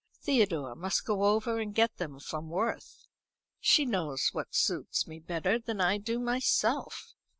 Theodore must go over and get them from Worth. She knows what suits me better than I do myself.